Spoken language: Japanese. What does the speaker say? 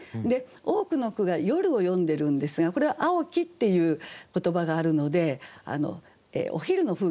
多くの句が夜を詠んでるんですがこれは「蒼き」っていう言葉があるのでお昼の風景ですよね。